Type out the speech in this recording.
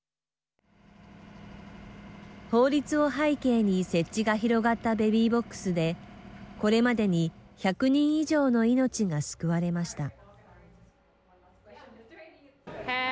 法律を背景に設置が広がったベビーボックスでこれまでに１００人以上の命が救われました。